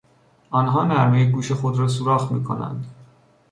آنها نرمهی گوش خود را سوراخ میکنند.